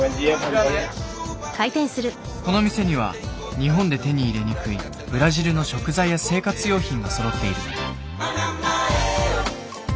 この店には日本で手に入れにくいブラジルの食材や生活用品がそろっている。